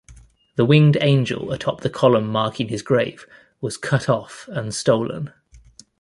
The winged angel atop the column marking his grave was cut off and stolen.